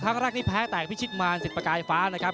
ครั้งแรกนี้แพ้แตกพิชิตมารสิทธิประกายฟ้านะครับ